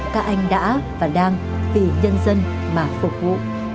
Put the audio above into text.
các anh đã và đang vì nhân dân mà phục vụ